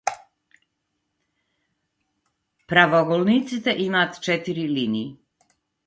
Правоаголниците имаат четири линии.